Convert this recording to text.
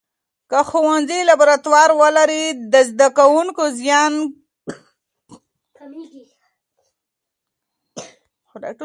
که ښوونځي لابراتوار ولري، د زده کوونکو زیان کېږي.